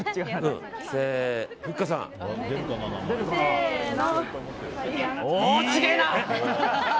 せーの。